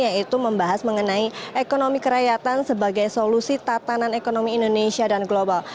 yaitu membahas mengenai ekonomi kerakyatan sebagai solusi tatanan ekonomi indonesia dan global